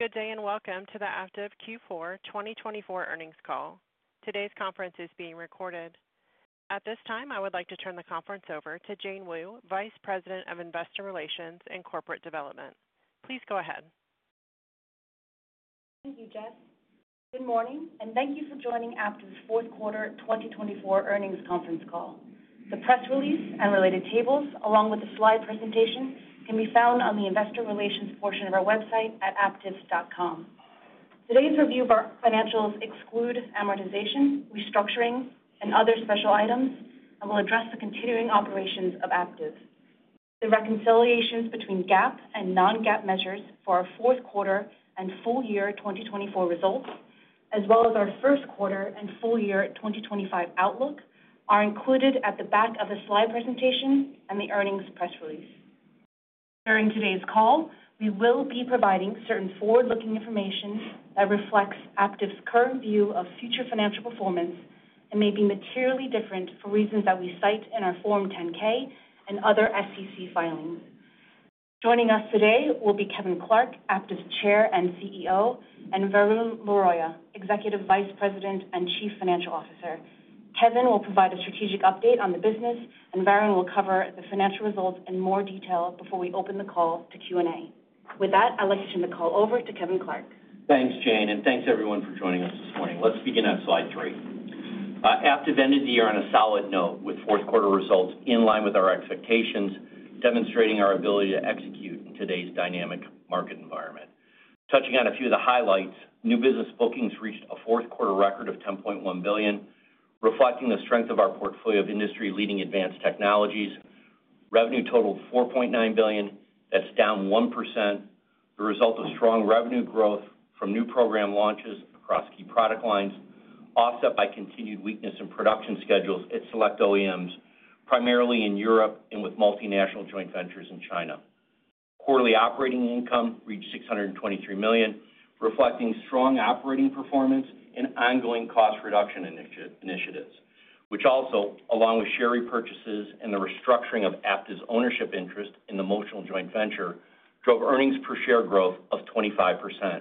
Good day and welcome to the Aptiv Q4 2024 earnings call. Today's conference is being recorded. At this time, I would like to turn the conference over to Jane Wu, Vice President of Investor Relations and Corporate Development. Please go ahead. Thank you, Jess. Good morning, and thank you for joining Aptiv's fourth quarter 2024 earnings conference call. The press release and related tables, along with the slide presentation, can be found on the investor relations portion of our website at aptiv.com. Today's review of our financials excludes amortization, restructuring, and other special items, and will address the continuing operations of Aptiv. The reconciliations between GAAP and non-GAAP measures for our fourth quarter and full year 2024 results, as well as our first quarter and full year 2025 outlook, are included at the back of the slide presentation and the earnings press release. During today's call, we will be providing certain forward-looking information that reflects Aptiv's current view of future financial performance and may be materially different for reasons that we cite in our Form 10-K and other SEC filings. Joining us today will be Kevin Clark, Aptiv's Chair and CEO, and Varun Laroyia, Executive Vice President and Chief Financial Officer. Kevin will provide a strategic update on the business, and Varun will cover the financial results in more detail before we open the call to Q&A. With that, I'd like to turn the call over to Kevin Clark. Thanks, Jane, and thanks everyone for joining us this morning. Let's begin at slide three. Aptiv ended the year on a solid note with fourth quarter results in line with our expectations, demonstrating our ability to execute in today's dynamic market environment. Touching on a few of the highlights, new business bookings reached a fourth quarter record of $10.1 billion, reflecting the strength of our portfolio of industry-leading advanced technologies. Revenue totaled $4.9 billion. That's down 1%, the result of strong revenue growth from new program launches across key product lines, offset by continued weakness in production schedules at select OEMs, primarily in Europe and with multinational joint ventures in China. Quarterly operating income reached $623 million, reflecting strong operating performance and ongoing cost reduction initiatives, which also, along with share repurchases and the restructuring of Aptiv's ownership interest in the Motional joint venture, drove earnings per share growth of 25%.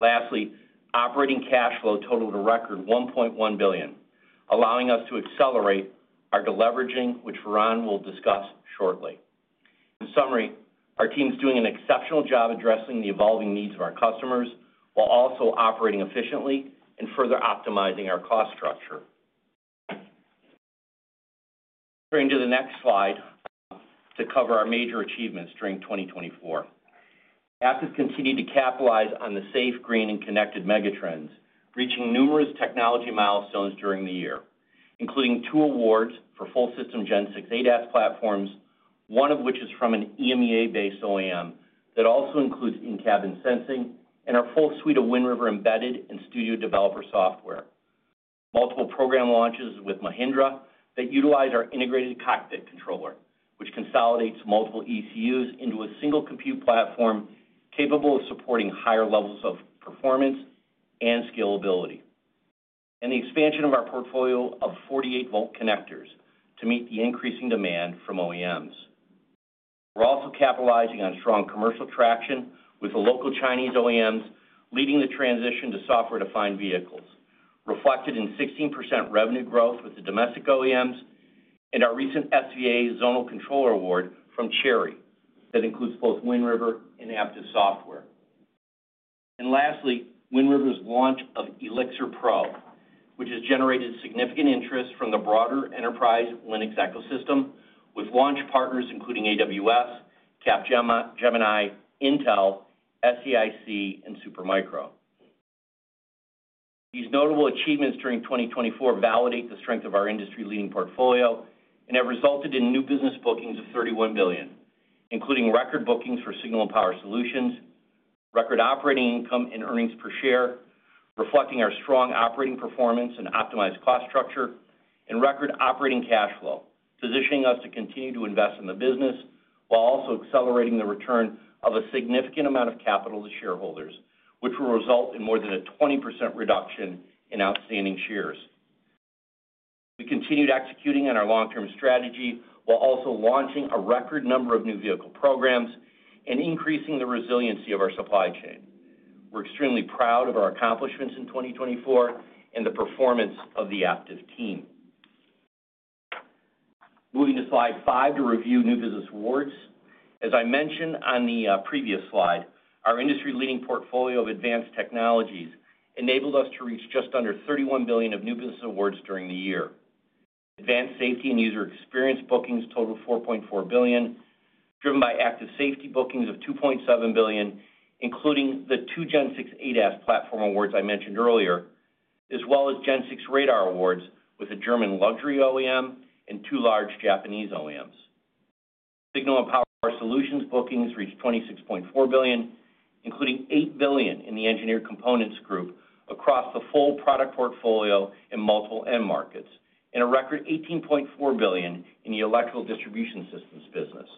Lastly, operating cash flow totaled a record $1.1 billion, allowing us to accelerate our leveraging, which Varun will discuss shortly. In summary, our team is doing an exceptional job addressing the evolving needs of our customers while also operating efficiently and further optimizing our cost structure. Turning to the next slide to cover our major achievements during 2024, Aptiv continued to capitalize on the safe, green, and connected megatrends, reaching numerous technology milestones during the year, including two awards for full system Gen 6 ADAS platforms, one of which is from an EMEA-based OEM that also includes in-cabin sensing and our full suite of Wind River embedded and studio developer software. Multiple program launches with Mahindra that utilize our Integrated Cockpit Controller, which consolidates multiple ECUs into a single compute platform capable of supporting higher levels of performance and scalability, and the expansion of our portfolio of 48-volt connectors to meet the increasing demand from OEMs. We're also capitalizing on strong commercial traction with the local Chinese OEMs leading the transition to software-defined vehicles, reflected in 16% revenue growth with the domestic OEMs and our recent SVA zonal controller award from Chery that includes both Wind River and Aptiv software. And lastly, Wind River's launch of eLxr Pro, which has generated significant interest from the broader enterprise Linux ecosystem with launch partners including AWS, Capgemini, Intel, SAIC, and Supermicro. These notable achievements during 2024 validate the strength of our industry-leading portfolio and have resulted in new business bookings of $31 billion, including record bookings for Signal and Power Solutions, record operating income and earnings per share, reflecting our strong operating performance and optimized cost structure, and record operating cash flow, positioning us to continue to invest in the business while also accelerating the return of a significant amount of capital to shareholders, which will result in more than a 20% reduction in outstanding shares. We continued executing on our long-term strategy while also launching a record number of new vehicle programs and increasing the resiliency of our supply chain. We're extremely proud of our accomplishments in 2024 and the performance of the Aptiv team. Moving to slide five to review new business awards. As I mentioned on the previous slide, our industry-leading portfolio of advanced technologies enabled us to reach just under $31 billion of new business awards during the year. Advanced safety and user experience bookings totaled $4.4 billion, driven by active safety bookings of $2.7 billion, including the two Gen 6 ADAS platform awards I mentioned earlier, as well as Gen 6 radar awards with a German luxury OEM and two large Japanese OEMs. Signal and Power Solutions bookings reached $26.4 billion, including $8 billion in the engineered components group across the full product portfolio in multiple end markets and a record $18.4 billion in the electrical distribution systems business.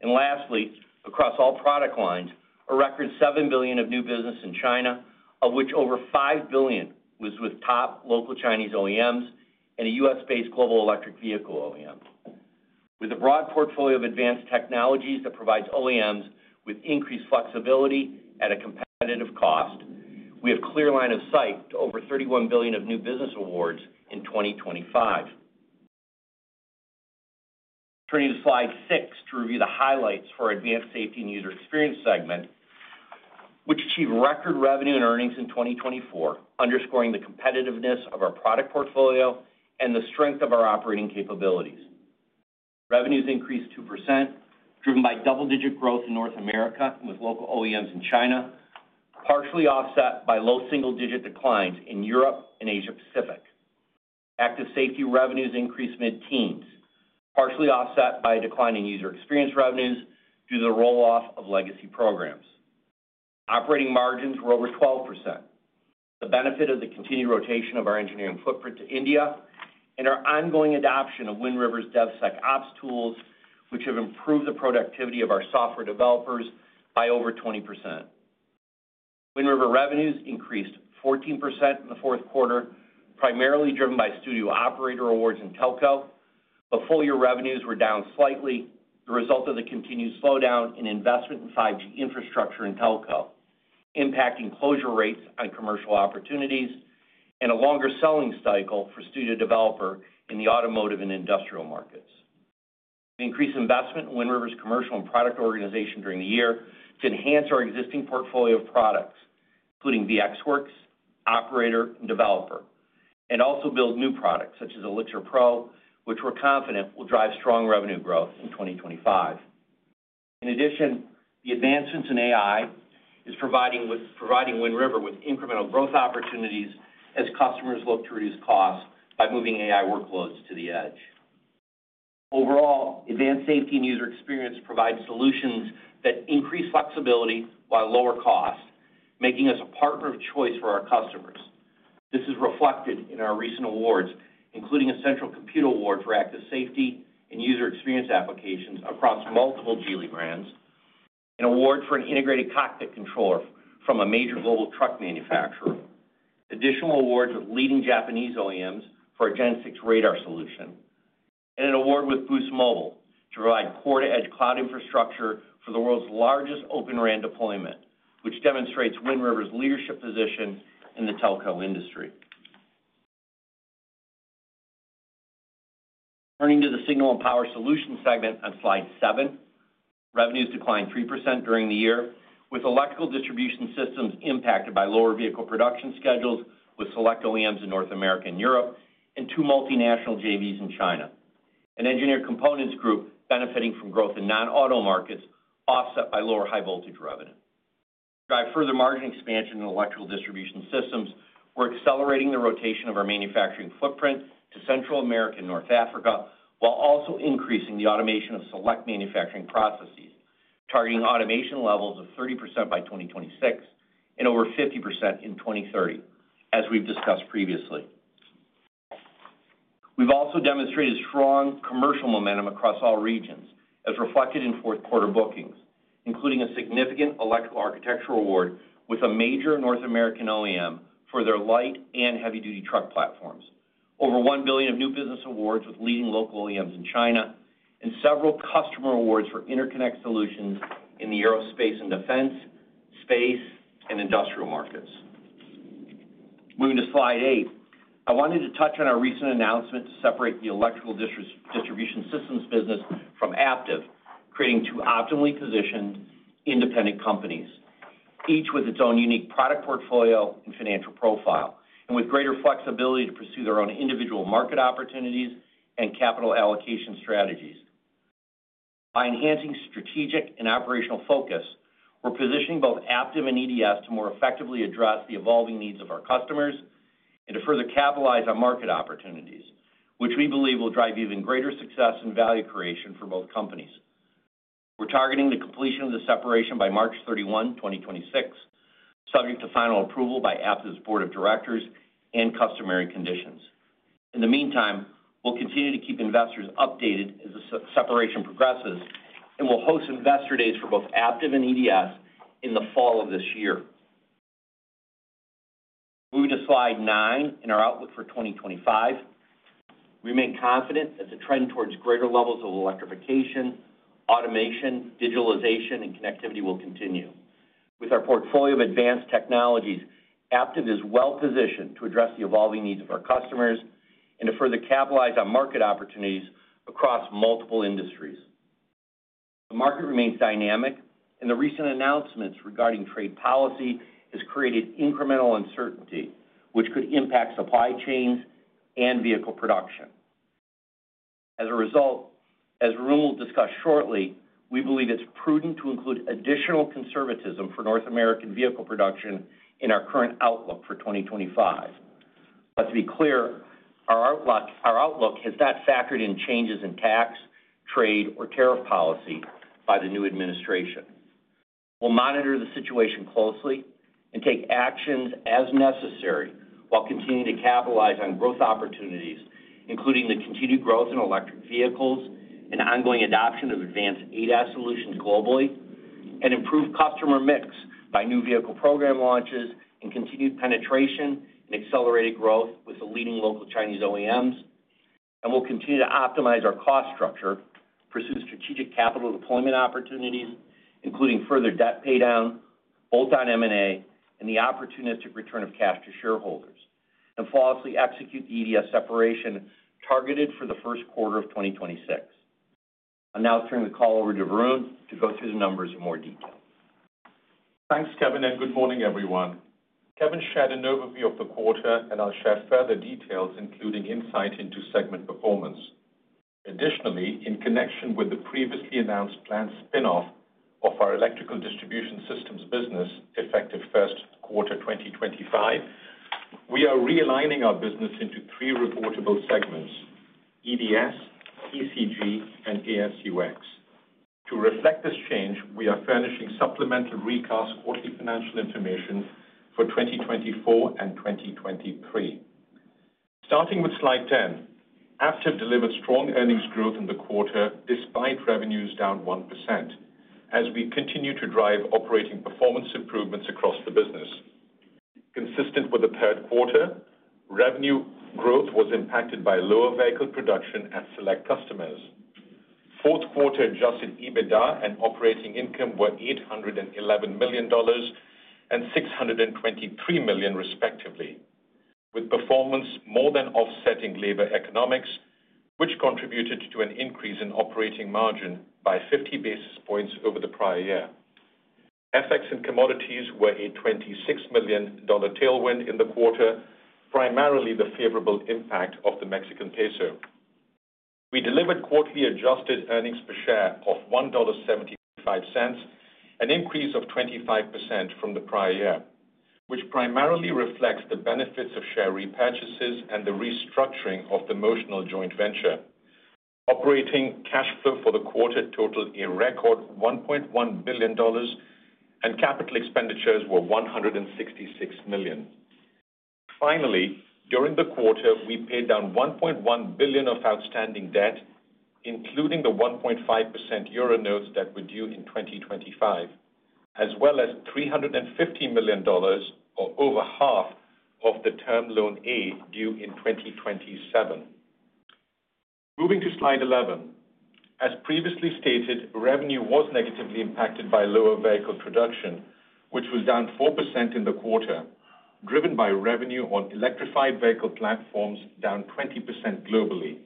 And lastly, across all product lines, a record $7 billion of new business in China, of which over $5 billion was with top local Chinese OEMs and a U.S.-based global electric vehicle OEM. With a broad portfolio of advanced technologies that provides OEMs with increased flexibility at a competitive cost, we have a clear line of sight to over $31 billion of new business awards in 2025. Turning to slide six to review the highlights for our Advanced Safety and User Experience segment, which achieved record revenue and earnings in 2024, underscoring the competitiveness of our product portfolio and the strength of our operating capabilities. Revenues increased 2%, driven by double-digit growth in North America and with local OEMs in China, partially offset by low single-digit declines in Europe and Asia-Pacific. Active Safety revenues increased mid-teens, partially offset by declining User Experience revenues due to the roll-off of legacy programs. Operating margins were over 12%, the benefit of the continued rotation of our engineering footprint to India, and our ongoing adoption of Wind River's DevSecOps tools, which have improved the productivity of our software developers by over 20%. Wind River revenues increased 14% in the fourth quarter, primarily driven by Studio Operator awards in Telco, but full-year revenues were down slightly, the result of the continued slowdown in investment in 5G infrastructure in Telco, impacting closure rates on commercial opportunities and a longer selling cycle for Studio Developer in the automotive and industrial markets. We increased investment in Wind River's commercial and product organization during the year to enhance our existing portfolio of products, including VxWorks, Operator, and Developer, and also build new products such as eLxr Pro, which we're confident will drive strong revenue growth in 2025. In addition, the advancements in AI are providing Wind River with incremental growth opportunities as customers look to reduce costs by moving AI workloads to the edge. Overall, advanced safety and user experience provide solutions that increase flexibility while lower cost, making us a partner of choice for our customers. This is reflected in our recent awards, including a central compute award for active safety and user experience applications across multiple Geely brands, an award for an Integrated Cockpit Controller from a major global truck manufacturer, additional awards with leading Japanese OEMs for a Gen 6 Radar solution, and an award with Boost Mobile to provide core-to-edge cloud infrastructure for the world's largest Open RAN deployment, which demonstrates Wind River's leadership position in the telco industry. Turning to the Signal and Power Solutions segment on slide seven, revenues declined 3% during the year, with Electrical Distribution Systems impacted by lower vehicle production schedules with select OEMs in North America and Europe and two multinational JVs in China. The Engineered Components Group benefiting from growth in non-auto markets offset by lower high-voltage revenue. To drive further margin expansion in Electrical Distribution Systems, we're accelerating the rotation of our manufacturing footprint to Central America and North Africa while also increasing the automation of select manufacturing processes, targeting automation levels of 30% by 2026 and over 50% in 2030, as we've discussed previously. We've also demonstrated strong commercial momentum across all regions, as reflected in fourth quarter bookings, including a significant electrical architecture award with a major North American OEM for their light and heavy-duty truck platforms, over $1 billion of new business awards with leading local OEMs in China, and several customer awards for interconnect solutions in the aerospace and defense, space, and industrial markets. Moving to slide eight, I wanted to touch on our recent announcement to separate the electrical distribution systems business from Aptiv, creating two optimally positioned independent companies, each with its own unique product portfolio and financial profile, and with greater flexibility to pursue their own individual market opportunities and capital allocation strategies. By enhancing strategic and operational focus, we're positioning both Aptiv and EDS to more effectively address the evolving needs of our customers and to further capitalize on market opportunities, which we believe will drive even greater success and value creation for both companies. We're targeting the completion of the separation by March 31, 2026, subject to final approval by Aptiv's board of directors and customary conditions. In the meantime, we'll continue to keep investors updated as the separation progresses and will host investor days for both Aptiv and EDS in the fall of this year. Moving to slide nine in our outlook for 2025, we remain confident that the trend towards greater levels of electrification, automation, digitalization, and connectivity will continue. With our portfolio of advanced technologies, Aptiv is well-positioned to address the evolving needs of our customers and to further capitalize on market opportunities across multiple industries. The market remains dynamic, and the recent announcements regarding trade policy have created incremental uncertainty, which could impact supply chains and vehicle production. As a result, as Varun will discuss shortly, we believe it's prudent to include additional conservatism for North American vehicle production in our current outlook for 2025. But to be clear, our outlook has not factored in changes in tax, trade, or tariff policy by the new administration. We'll monitor the situation closely and take actions as necessary while continuing to capitalize on growth opportunities, including the continued growth in electric vehicles and ongoing adoption of advanced ADAS solutions globally, an improved customer mix by new vehicle program launches, and continued penetration and accelerated growth with the leading local Chinese OEMs. We'll continue to optimize our cost structure, pursue strategic capital deployment opportunities, including further debt paydown, bolt-on M&A, and the opportunistic return of cash to shareholders, and fully execute the EDS separation targeted for the first quarter of 2026. I'm now turning the call over to Varun to go through the numbers in more detail. Thanks, Kevin, and good morning, everyone. Kevin shared an overview of the quarter, and I'll share further details, including insight into segment performance. Additionally, in connection with the previously announced planned spinoff of our electrical distribution systems business, effective first quarter 2025, we are realigning our business into three reportable segments: EDS, ECG, and ASUX. To reflect this change, we are furnishing supplemental recast quarterly financial information for 2024 and 2023. Starting with slide 10, Aptiv delivered strong earnings growth in the quarter despite revenues down 1% as we continue to drive operating performance improvements across the business. Consistent with the third quarter, revenue growth was impacted by lower vehicle production at select customers. Fourth quarter adjusted EBITDA and operating income were $811 million and $623 million, respectively, with performance more than offsetting labor economics, which contributed to an increase in operating margin by 50 basis points over the prior year. FX and commodities were a $26 million tailwind in the quarter, primarily the favorable impact of the Mexican peso. We delivered quarterly adjusted earnings per share of $1.75, an increase of 25% from the prior year, which primarily reflects the benefits of share repurchases and the restructuring of the Motional Joint Venture. Operating cash flow for the quarter totaled a record $1.1 billion, and capital expenditures were $166 million. Finally, during the quarter, we paid down $1.1 billion of outstanding debt, including the 1.5% euro notes that were due in 2025, as well as $350 million, or over half of the Term Loan A due in 2027. Moving to slide 11, as previously stated, revenue was negatively impacted by lower vehicle production, which was down 4% in the quarter, driven by revenue on electrified vehicle platforms down 20% globally.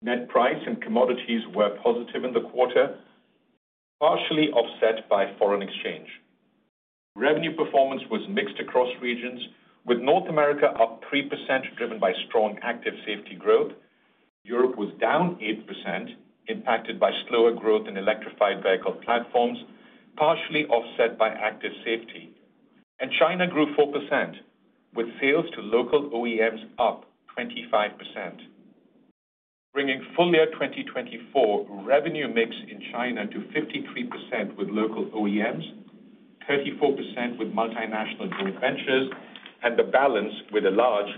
Net pricing and commodities were positive in the quarter, partially offset by foreign exchange. Revenue performance was mixed across regions, with North America up 3%, driven by strong Active Safety growth. Europe was down 8%, impacted by slower growth in electrified vehicle platforms, partially offset by Active Safety. China grew 4%, with sales to local OEMs up 25%, bringing full-year 2024 revenue mix in China to 53% with local OEMs, 34% with multinational joint ventures, and the balance with a large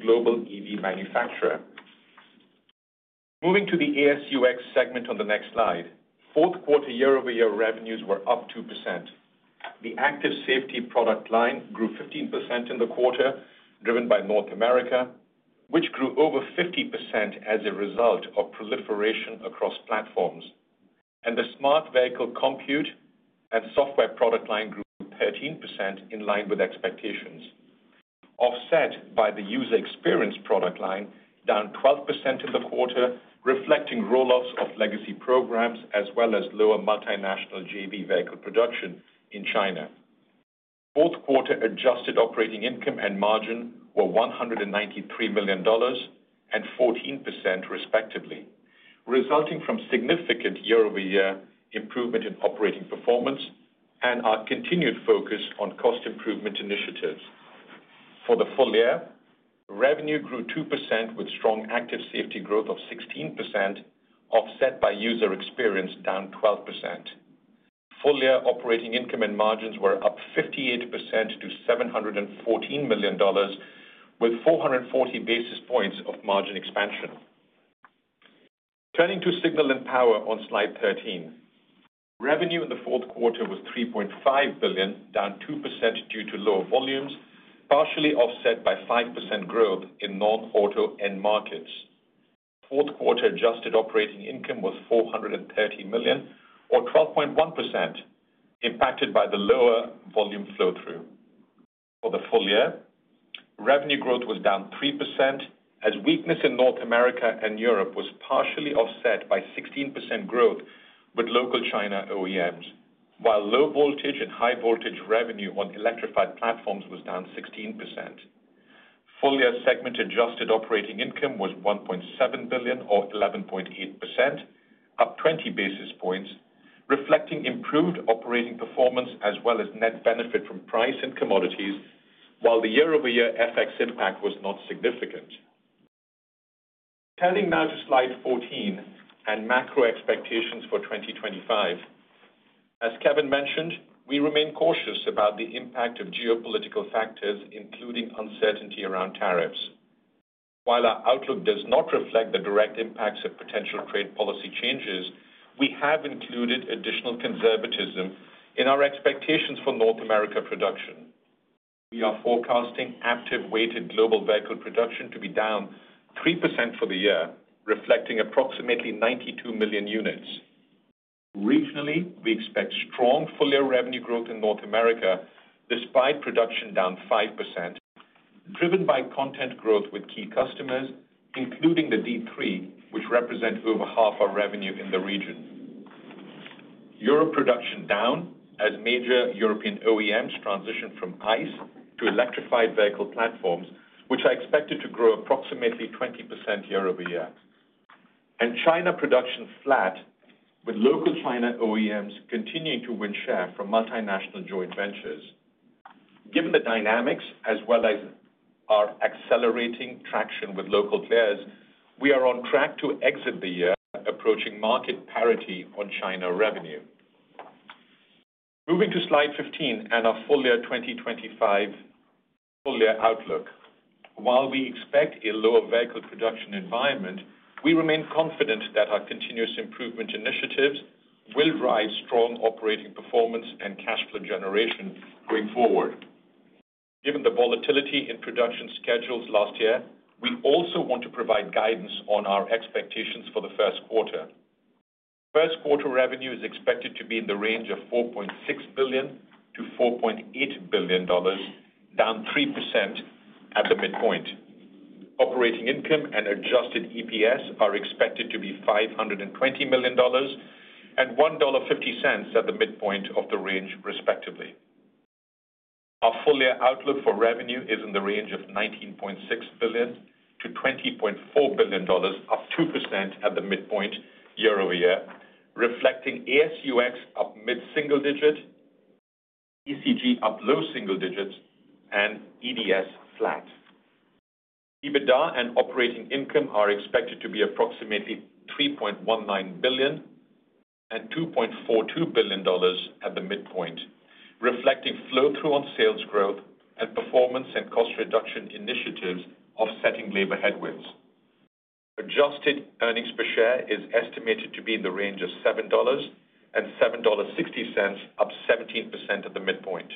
global EV manufacturer. Moving to the ASUX segment on the next slide, fourth quarter year-over-year revenues were up 2%. The active safety product line grew 15% in the quarter, driven by North America, which grew over 50% as a result of proliferation across platforms. The smart vehicle compute and software product line grew 13% in line with expectations, offset by the user experience product line down 12% in the quarter, reflecting roll-offs of legacy programs as well as lower multinational JV vehicle production in China. Fourth quarter adjusted operating income and margin were $193 million and 14%, respectively, resulting from significant year-over-year improvement in operating performance and our continued focus on cost improvement initiatives. For the full year, revenue grew 2% with strong Active Safety growth of 16%, offset by User Experience down 12%. Full-year operating income and margins were up 58% to $714 million, with 440 basis points of margin expansion. Turning to Signal and Power on slide 13, revenue in the fourth quarter was $3.5 billion, down 2% due to lower volumes, partially offset by 5% growth in non-auto end markets. Fourth quarter adjusted operating income was $430 million, or 12.1%, impacted by the lower volume flow-through. For the full year, revenue growth was down 3% as weakness in North America and Europe was partially offset by 16% growth with local China OEMs, while Low Voltage and High Voltage revenue on electrified platforms was down 16%. Full-year segment adjusted operating income was $1.7 billion, or 11.8%, up 20 basis points, reflecting improved operating performance as well as net benefit from price and commodities, while the year-over-year FX impact was not significant. Turning now to slide 14 and macro expectations for 2025. As Kevin mentioned, we remain cautious about the impact of geopolitical factors, including uncertainty around tariffs. While our outlook does not reflect the direct impacts of potential trade policy changes, we have included additional conservatism in our expectations for North America production. We are forecasting Aptiv-weighted global vehicle production to be down 3% for the year, reflecting approximately 92 million units. Regionally, we expect strong full-year revenue growth in North America despite production down 5%, driven by content growth with key customers, including the D3, which represent over half our revenue in the region. Europe production down as major European OEMs transition from ICE to electrified vehicle platforms, which are expected to grow approximately 20% year-over-year. China production flat, with local China OEMs continuing to win share from multinational joint ventures. Given the dynamics, as well as our accelerating traction with local players, we are on track to exit the year, approaching market parity on China revenue. Moving to slide 15 and our full-year 2025 full-year outlook. While we expect a lower vehicle production environment, we remain confident that our continuous improvement initiatives will drive strong operating performance and cash flow generation going forward. Given the volatility in production schedules last year, we also want to provide guidance on our expectations for the first quarter. First quarter revenue is expected to be in the range of $4.6 billion-$4.8 billion, down 3% at the midpoint. Operating income and adjusted EPS are expected to be $520 million and $1.50 at the midpoint of the range, respectively. Our full-year outlook for revenue is in the range of $19.6 billion to $20.4 billion, up 2% at the midpoint year-over-year, reflecting ASUX up mid-single digit, ECG up low single digits, and EDS flat. EBITDA and operating income are expected to be approximately $3.19 billion and $2.42 billion at the midpoint, reflecting flow-through on sales growth and performance and cost reduction initiatives offsetting labor headwinds. Adjusted earnings per share is estimated to be in the range of $7 and $7.60, up 17% at the midpoint,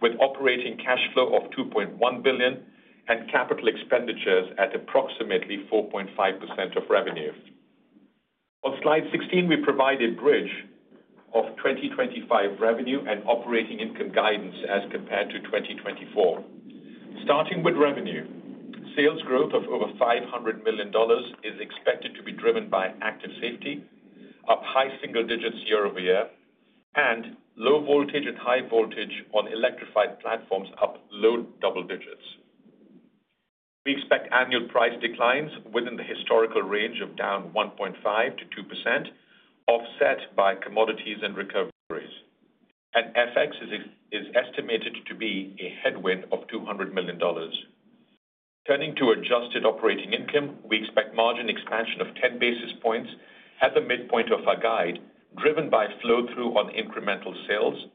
with operating cash flow of $2.1 billion and capital expenditures at approximately 4.5% of revenue. On slide 16, we provide a bridge of 2025 revenue and operating income guidance as compared to 2024. Starting with revenue, sales growth of over $500 million is expected to be driven by active safety, up high single digits year-over-year, and low voltage and high voltage on electrified platforms up low double digits. We expect annual price declines within the historical range of down 1.5%-2%, offset by commodities and recovery, and FX is estimated to be a headwind of $200 million. Turning to adjusted operating income, we expect margin expansion of 10 basis points at the midpoint of our guide, driven by flow-through on incremental sales,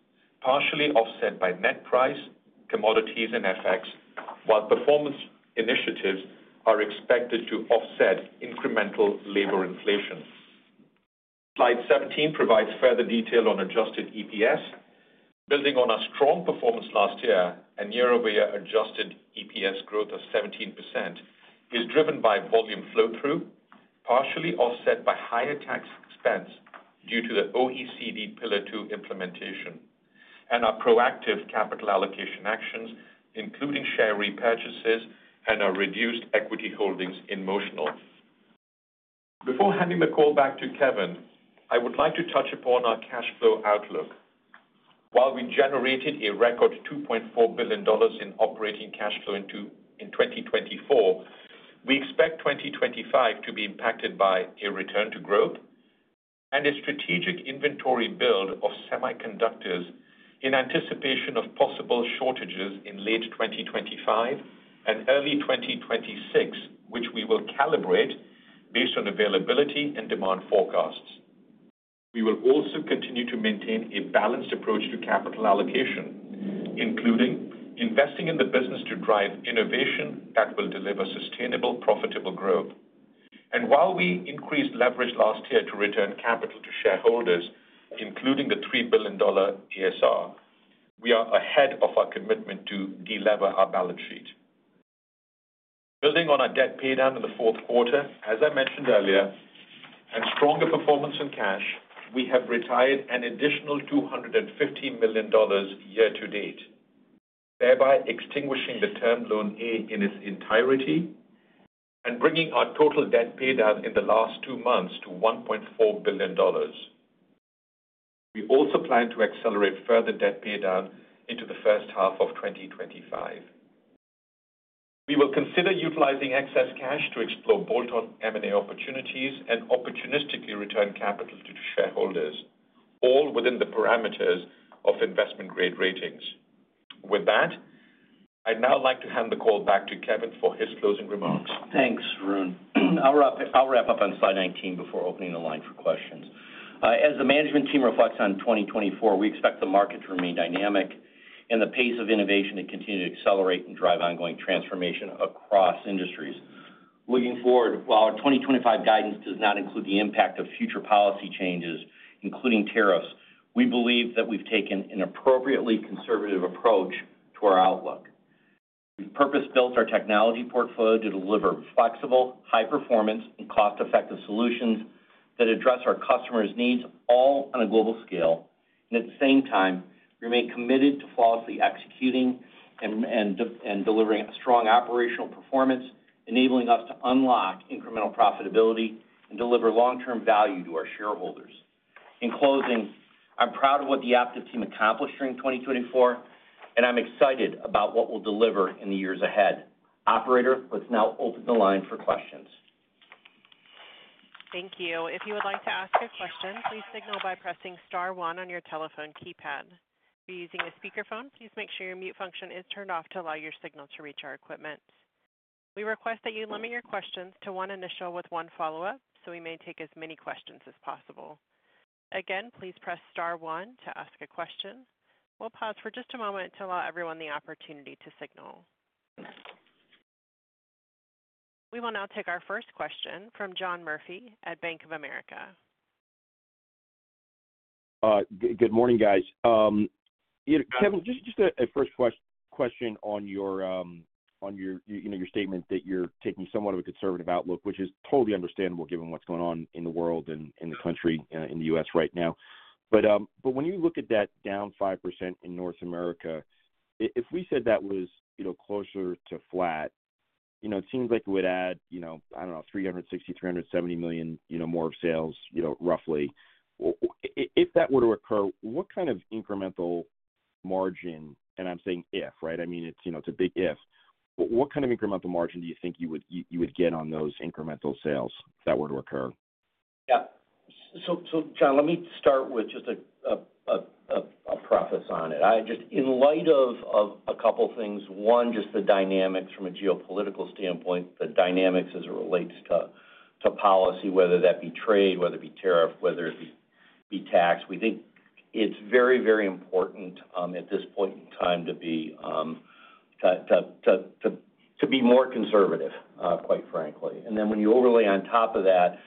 partially offset by net price, commodities, and FX, while performance initiatives are expected to offset incremental labor inflation. Slide 17 provides further detail on adjusted EPS. Building on our strong performance last year, a year-over-year adjusted EPS growth of 17% is driven by volume flow-through, partially offset by higher tax expense due to the OECD Pillar 2 implementation, and our proactive capital allocation actions, including share repurchases and our reduced equity holdings in Motional. Before handing the call back to Kevin, I would like to touch upon our cash flow outlook. While we generated a record $2.4 billion in operating cash flow in 2024, we expect 2025 to be impacted by a return to growth and a strategic inventory build of semiconductors in anticipation of possible shortages in late 2025 and early 2026, which we will calibrate based on availability and demand forecasts. We will also continue to maintain a balanced approach to capital allocation, including investing in the business to drive innovation that will deliver sustainable, profitable growth. And while we increased leverage last year to return capital to shareholders, including the $3 billion ASR, we are ahead of our commitment to delever our balance sheet. Building on our debt paydown in the fourth quarter, as I mentioned earlier, and stronger performance in cash, we have retired an additional $250 million year-to-date, thereby extinguishing the Term Loan A in its entirety and bringing our total debt paydown in the last two months to $1.4 billion. We also plan to accelerate further debt paydown into the first half of 2025. We will consider utilizing excess cash to explore bolt-on M&A opportunities and opportunistically return capital to shareholders, all within the parameters of investment-grade ratings. With that, I'd now like to hand the call back to Kevin for his closing remarks. Thanks, Varun. I'll wrap up on slide 19 before opening the line for questions. As the management team reflects on 2024, we expect the market to remain dynamic, and the pace of innovation to continue to accelerate and drive ongoing transformation across industries. Looking forward, while our 2025 guidance does not include the impact of future policy changes, including tariffs, we believe that we've taken an appropriately conservative approach to our outlook. We've purpose-built our technology portfolio to deliver flexible, high-performance, and cost-effective solutions that address our customers' needs, all on a global scale. And at the same time, we remain committed to flawlessly executing and delivering strong operational performance, enabling us to unlock incremental profitability and deliver long-term value to our shareholders. In closing, I'm proud of what the Aptiv team accomplished during 2024, and I'm excited about what we'll deliver in the years ahead. Operator, let's now open the line for questions. Thank you. If you would like to ask a question, please signal by pressing Star 1 on your telephone keypad. If you're using a speakerphone, please make sure your mute function is turned off to allow your signal to reach our equipment. We request that you limit your questions to one initial with one follow-up, so we may take as many questions as possible. Again, please press Star 1 to ask a question. We'll pause for just a moment to allow everyone the opportunity to signal. We will now take our first question from John Murphy at Bank of America. Good morning, guys. Kevin, just a first question on your statement that you're taking somewhat of a conservative outlook, which is totally understandable given what's going on in the world and the country in the U.S. right now. But when you look at that down 5% in North America, if we said that was closer to flat, it seems like it would add, I don't know, $360-$370 million more sales, roughly. If that were to occur, what kind of incremental margin, and I'm saying if, right? I mean, it's a big if, what kind of incremental margin do you think you would get on those incremental sales if that were to occur? Yeah. So, John, let me start with just a preface on it. Just in light of a couple of things, one, just the dynamics from a geopolitical standpoint, the dynamics as it relates to policy, whether that be trade, whether it be tariff, whether it be tax. We think it's very, very important at this point in time to be more conservative, quite frankly. And then when you overlay on top of that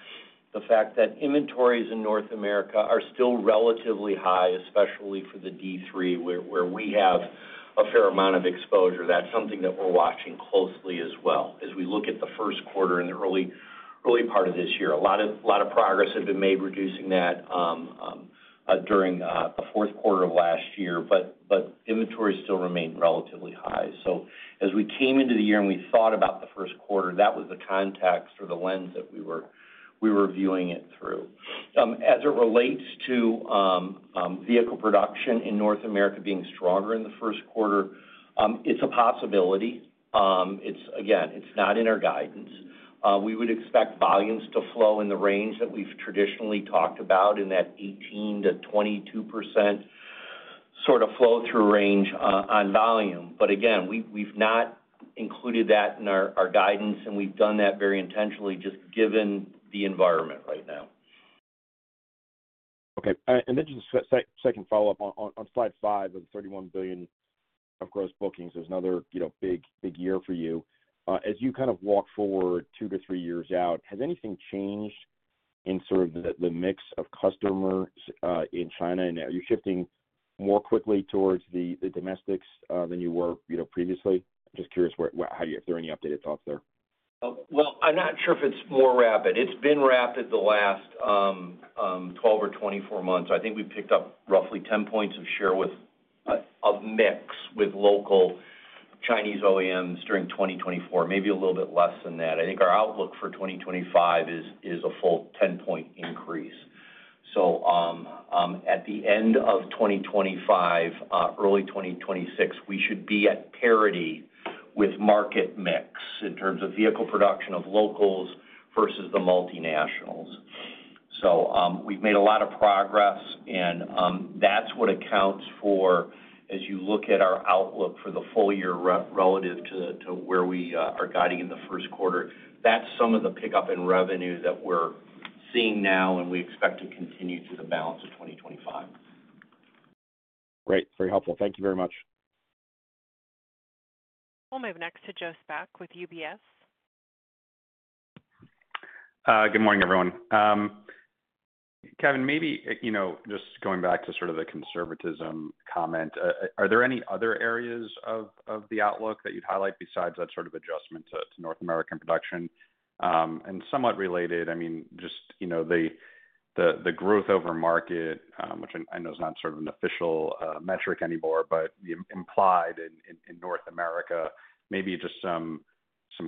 the fact that inventories in North America are still relatively high, especially for the D3, where we have a fair amount of exposure, that's something that we're watching closely as well as we look at the first quarter and the early part of this year. A lot of progress had been made reducing that during the fourth quarter of last year, but inventories still remain relatively high. So as we came into the year and we thought about the first quarter, that was the context or the lens that we were viewing it through. As it relates to vehicle production in North America being stronger in the first quarter, it's a possibility. Again, it's not in our guidance. We would expect volumes to flow in the range that we've traditionally talked about in that 18%-22% sort of flow-through range on volume. But again, we've not included that in our guidance, and we've done that very intentionally just given the environment right now. Okay. And then just a second follow-up. On slide 5, the $31 billion of gross bookings, there's another big year for you. As you kind of walk forward two to three years out, has anything changed in sort of the mix of customers in China? Are you shifting more quickly towards the domestics than you were previously? I'm just curious if there are any updated thoughts there. Well, I'm not sure if it's more rapid. It's been rapid the last 12 or 24 months. I think we picked up roughly 10 points of share of mix with local Chinese OEMs during 2024, maybe a little bit less than that. I think our outlook for 2025 is a full 10-point increase. So at the end of 2025, early 2026, we should be at parity with market mix in terms of vehicle production of locals versus the multinationals. So we've made a lot of progress, and that's what accounts for, as you look at our outlook for the full year relative to where we are guiding in the first quarter. That's some of the pickup in revenue that we're seeing now, and we expect to continue through the balance of 2025. Great. Very helpful. Thank you very much. We'll move next to Joe Spak with UBS. Good morning, everyone. Kevin, maybe just going back to sort of the conservatism comment, are there any other areas of the outlook that you'd highlight besides that sort of adjustment to North American production? And somewhat related, I mean, just the growth over market, which I know is not sort of an official metric anymore, but implied in North America, maybe just some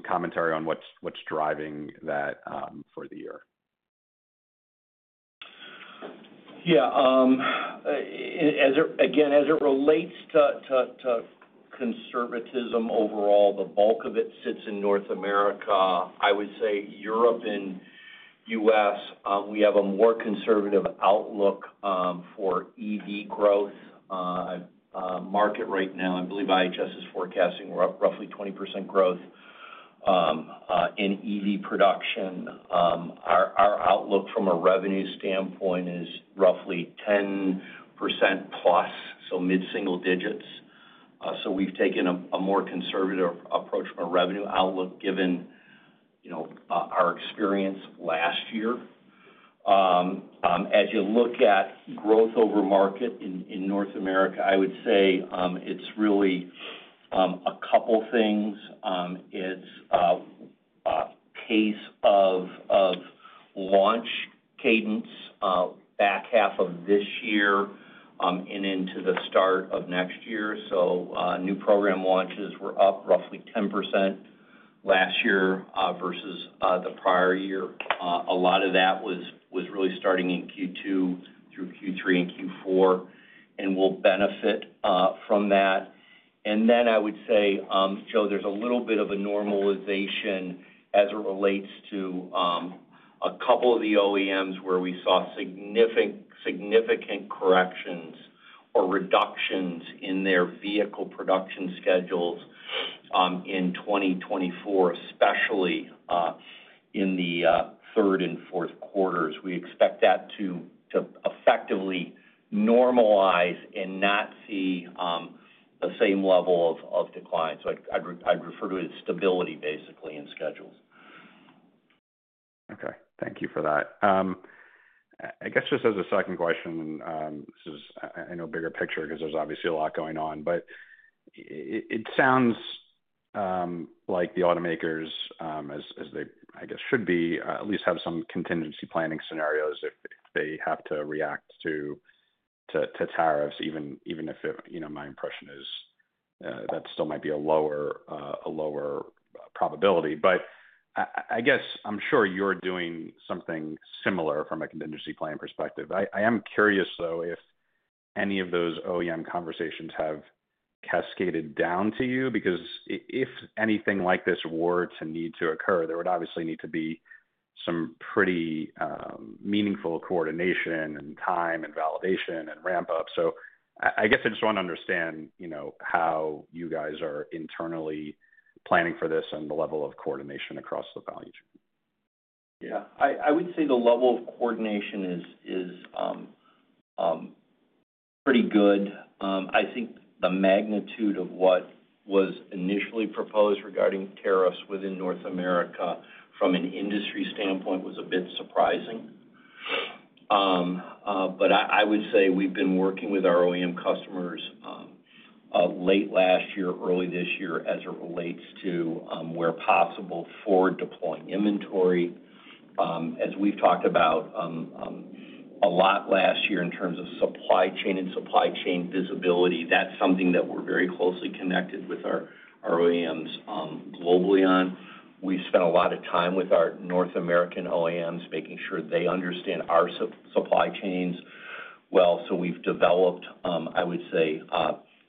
commentary on what's driving that for the year. Yeah. Again, as it relates to conservatism overall, the bulk of it sits in North America. I would say Europe and U.S., we have a more conservative outlook for EV growth. Market right now, I believe IHS is forecasting roughly 20% growth in EV production. Our outlook from a revenue standpoint is roughly 10% plus, so mid-single digits. So we've taken a more conservative approach from a revenue outlook given our experience last year. As you look at growth over market in North America, I would say it's really a couple of things. It's a case of launch cadence back half of this year and into the start of next year. So new program launches were up roughly 10% last year versus the prior year. A lot of that was really starting in Q2 through Q3 and Q4, and we'll benefit from that. And then I would say, Joe, there's a little bit of a normalization as it relates to a couple of the OEMs where we saw significant corrections or reductions in their vehicle production schedules in 2024, especially in the third and fourth quarters. We expect that to effectively normalize and not see the same level of decline. So I'd refer to it as stability, basically, in schedules. Okay. Thank you for that. I guess just as a second question, this is, I know, a bigger picture because there's obviously a lot going on, but it sounds like the automakers, as they I guess should be, at least have some contingency planning scenarios if they have to react to tariffs, even if my impression is that still might be a lower probability. But I guess I'm sure you're doing something similar from a contingency plan perspective. I am curious, though, if any of those OEM conversations have cascaded down to you, because if anything like this were to need to occur, there would obviously need to be some pretty meaningful coordination and time and validation and ramp-up. So I guess I just want to understand how you guys are internally planning for this and the level of coordination across the value chain. Yeah. I would say the level of coordination is pretty good. I think the magnitude of what was initially proposed regarding tariffs within North America from an industry standpoint was a bit surprising. But I would say we've been working with our OEM customers late last year, early this year, as it relates to where possible for deploying inventory. As we've talked about a lot last year in terms of supply chain and supply chain visibility, that's something that we're very closely connected with our OEMs globally on. We spent a lot of time with our North American OEMs making sure they understand our supply chains well. So we've developed, I would say,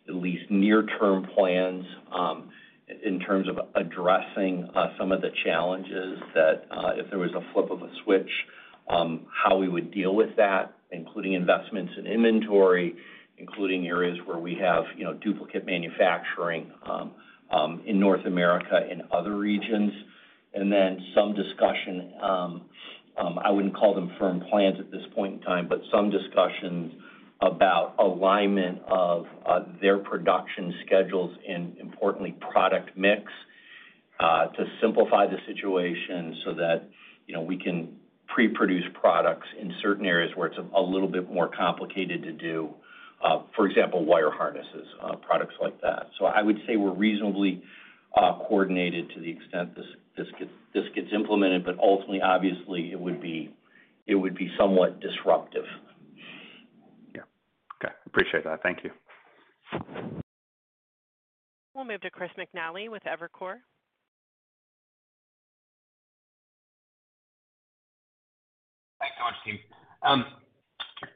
at least near-term plans in terms of addressing some of the challenges that if there was a flip of a switch, how we would deal with that, including investments in inventory, including areas where we have duplicate manufacturing in North America and other regions. And then some discussion, I wouldn't call them firm plans at this point in time, but some discussions about alignment of their production schedules and, importantly, product mix to simplify the situation so that we can pre-produce products in certain areas where it's a little bit more complicated to do, for example, wire harnesses, products like that. So I would say we're reasonably coordinated to the extent this gets implemented, but ultimately, obviously, it would be somewhat disruptive. Yeah. Okay. Appreciate that. Thank you. We'll move to Chris McNally with Evercore. Thanks so much, team.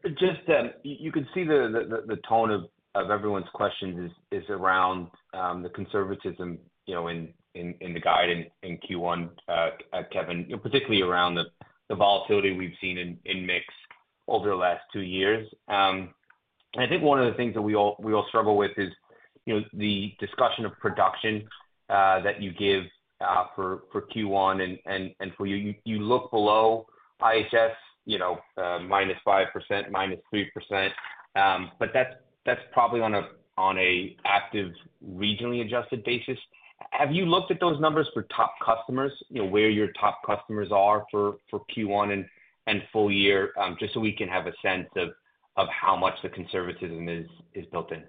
Just you can see the tone of everyone's questions is around the conservatism in the guide and Q1, Kevin, particularly around the volatility we've seen in mix over the last two years. And I think one of the things that we all struggle with is the discussion of production that you give for Q1 and for you. You look below IHS, minus 5%, minus 3%, but that's probably on an active regionally adjusted basis. Have you looked at those numbers for top customers, where your top customers are for Q1 and full year, just so we can have a sense of how much the conservatism is built in?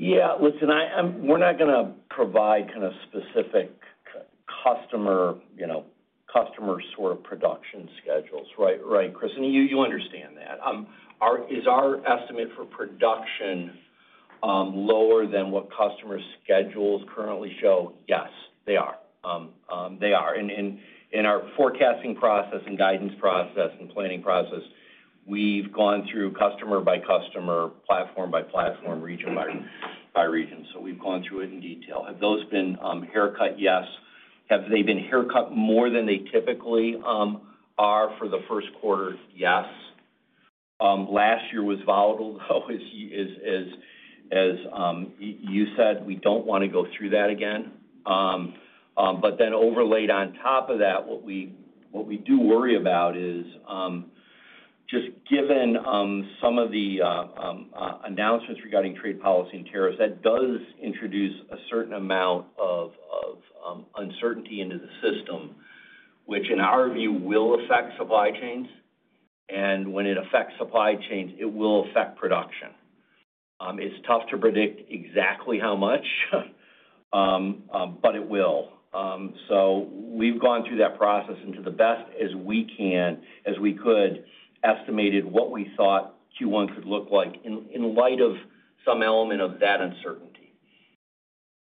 Yeah. Listen, we're not going to provide kind of specific customer sort of production schedules, right, Chris? You understand that. Is our estimate for production lower than what customer schedules currently show? Yes, they are. They are. In our forecasting process and guidance process and planning process, we've gone through customer by customer, platform by platform, region by region. So we've gone through it in detail. Have those been haircut? Yes. Have they been haircut more than they typically are for the first quarter? Yes. Last year was volatile, though, as you said. We don't want to go through that again. But then overlaid on top of that, what we do worry about is just given some of the announcements regarding trade policy and tariffs, that does introduce a certain amount of uncertainty into the system, which in our view will affect supply chains. And when it affects supply chains, it will affect production. It's tough to predict exactly how much, but it will. So we've gone through that process and to the best as we can, as we could, estimated what we thought Q1 could look like in light of some element of that uncertainty.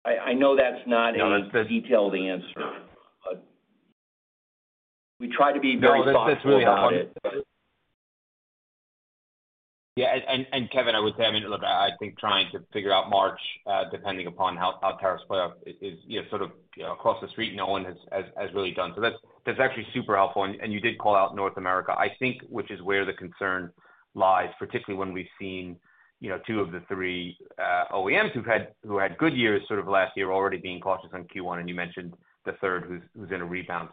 I know that's not a detailed answer, but we try to be very thoughtful. Yeah. And Kevin, I would say, I mean, look, I think trying to figure out March, depending upon how tariffs play off, is sort of across the street and no one has really done. So that's actually super helpful. And you did call out North America, I think, which is where the concern lies, particularly when we've seen two of the three OEMs who had good years sort of last year already being cautious on Q1, and you mentioned the third who's in a rebound.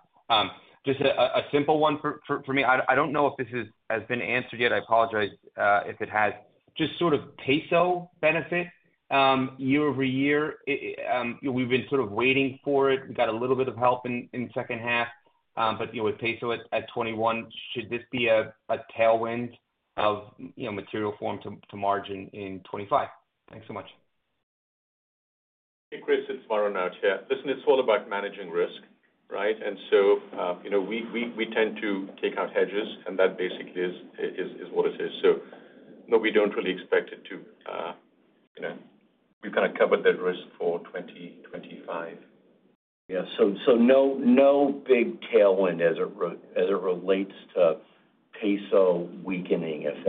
Just a simple one for me. I don't know if this has been answered yet. I apologize if it has. Just sort of peso benefit year over year. We've been sort of waiting for it. We got a little bit of help in second half. But with peso at 21, should this be a tailwind of material form to margin in 2025? Thanks so much. Hey, Chris. It's Varun Laroyia. Listen, it's all about managing risk, right? And so we tend to take out hedges, and that basically is what it is. So no, we don't really expect it to. We've kind of covered that risk for 2025. Yeah. So no big tailwind as it relates to peso weakening if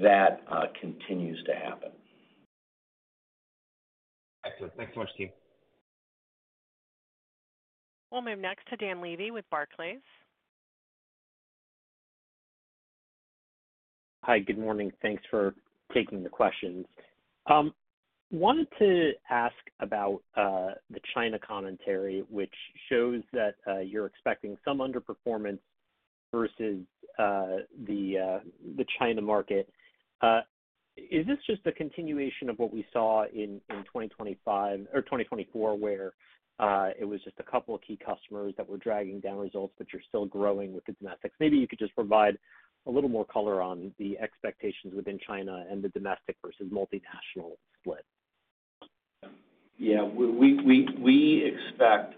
that continues to happen. Thanks so much, team. We'll move next to Dan Levy with Barclays. Hi. Good morning. Thanks for taking the questions. Wanted to ask about the China commentary, which shows that you're expecting some underperformance versus the China market. Is this just a continuation of what we saw in 2024 where it was just a couple of key customers that were dragging down results, but you're still growing with the domestics? Maybe you could just provide a little more color on the expectations within China and the domestic versus multinational split. Yeah. We expect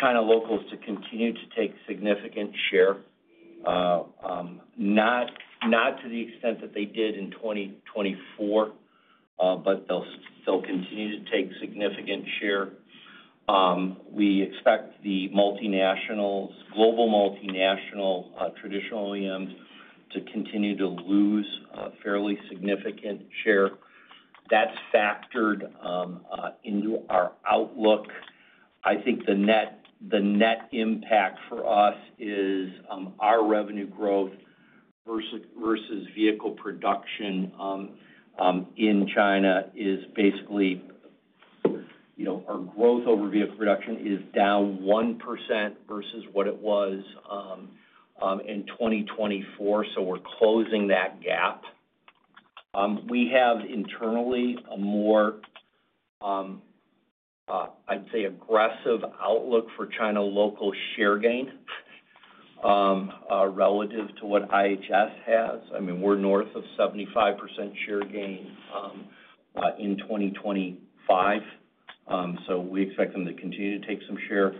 China locals to continue to take significant share, not to the extent that they did in 2024, but they'll continue to take significant share. We expect the global multinational traditional OEMs to continue to lose a fairly significant share. That's factored into our outlook. I think the net impact for us is our revenue growth versus vehicle production in China is basically our growth over vehicle production is down 1% versus what it was in 2024. So we're closing that gap. We have internally a more, I'd say, aggressive outlook for China local share gain relative to what IHS has. I mean, we're north of 75% share gain in 2025. So we expect them to continue to take some share.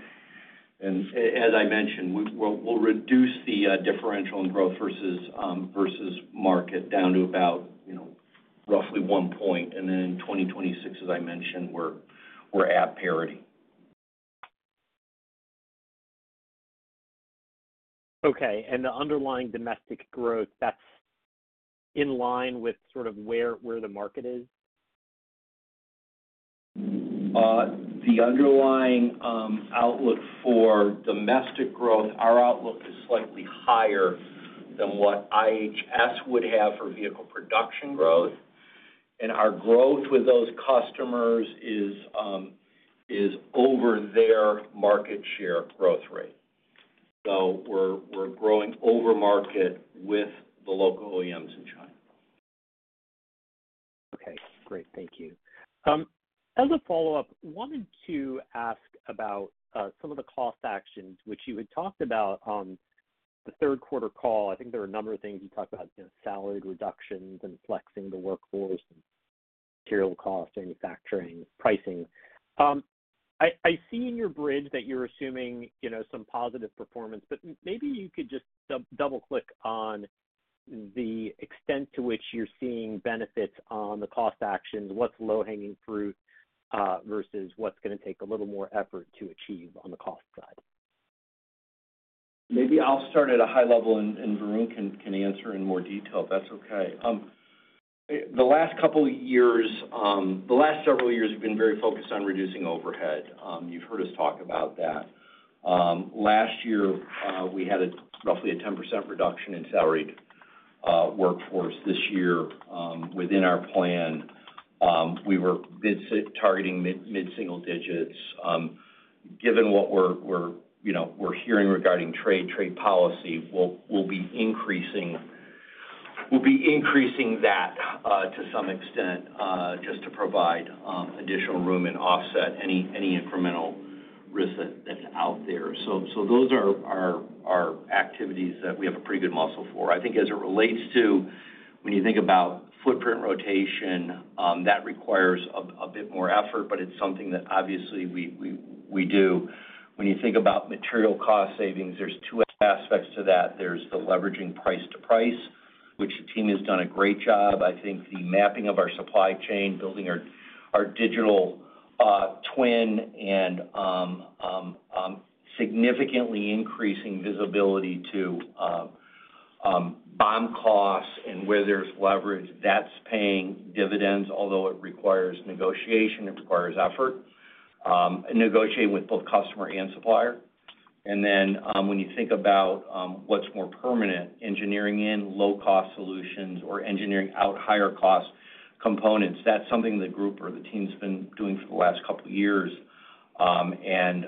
And as I mentioned, we'll reduce the differential in growth versus market down to about roughly one point. And then in 2026, as I mentioned, we're at parity. Okay. And the underlying domestic growth, that's in line with sort of where the market is? The underlying outlook for domestic growth, our outlook is slightly higher than what IHS would have for vehicle production growth. And our growth with those customers is over their market share growth rate. So we're growing over market with the local OEMs in China. Okay. Great. Thank you. As a follow-up, wanted to ask about some of the cost actions which you had talked about on the third quarter call. I think there were a number of things you talked about, salary reductions and flexing the workforce and material costs, manufacturing, pricing. I see in your bridge that you're assuming some positive performance, but maybe you could just double-click on the extent to which you're seeing benefits on the cost actions, what's low-hanging fruit versus what's going to take a little more effort to achieve on the c ost side? Maybe I'll start at a high level, and Varun can answer in more detail if that's okay. The last couple of years, the last several years, we've been very focused on reducing overhead. You've heard us talk about that. Last year, we had roughly a 10% reduction in salaried workforce. This year, within our plan, we were targeting mid-single digits. Given what we're hearing regarding trade, trade policy, we'll be increasing that to some extent just to provide additional room and offset any incremental risk that's out there. So those are our activities that we have a pretty good muscle for. I think as it relates to when you think about footprint rotation, that requires a bit more effort, but it's something that obviously we do. When you think about material cost savings, there's two aspects to that. There's the leveraging price to price, which the team has done a great job. I think the mapping of our supply chain, building our digital twin, and significantly increasing visibility to BOM costs and where there's leverage, that's paying dividends, although it requires negotiation. It requires effort, negotiating with both customer and supplier. And then when you think about what's more permanent, engineering in low-cost solutions or engineering out higher-cost components, that's something the group or the team's been doing for the last couple of years. And